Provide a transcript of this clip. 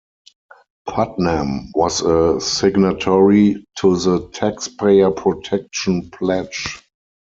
Putnam was a signatory to the Taxpayer Protection Pledge.